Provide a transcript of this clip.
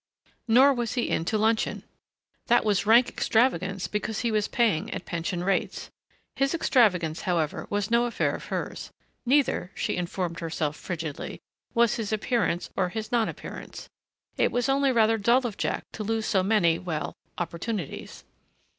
Nor was he in to luncheon. That was rank extravagance because he was paying at pension rates. His extravagance, however, was no affair of hers. Neither, she informed herself frigidly, was his appearance or his non appearance. It was only rather dull of Jack to lose so many, well, opportunities.